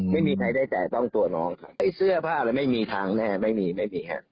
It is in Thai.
ไม่มีใครได้แตะต้องตัวน้องครับไอ้เสื้อผ้าอะไรไม่มีทางแน่ไม่มีไม่มีฮะ